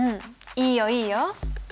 いいよいいよ。